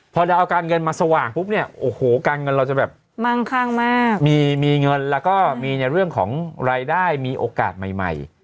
พอเราเอาการเงินมาสว่างปุ๊บเนี่ยโอ้โหการเงินเราจะแบบมั่งข้างมากมีมีเงินแล้วก็มีในเรื่องของรายได้มีโอกาสใหม่ใหม่